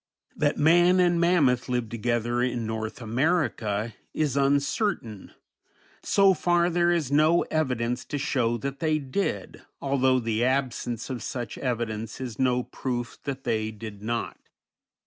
That man and mammoth lived together in North America is uncertain; so far there is no evidence to show that they did, although the absence of such evidence is no proof that they did not.